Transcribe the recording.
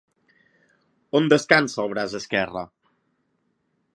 On descansa el braç esquerre?